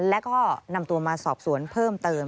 แล้วก็นำตัวมาสอบสวนเพิ่มเติม